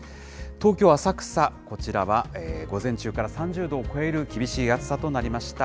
東京・浅草、こちらは午前中から３０度を超える厳しい暑さとなりました。